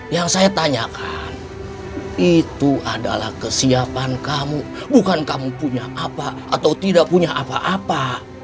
yang saya tanyakan itu adalah kesiapan kamu bukan kamu punya apa atau tidak punya apa apa